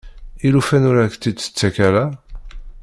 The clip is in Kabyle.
I lufan ur ak-t-id-tettakk ara.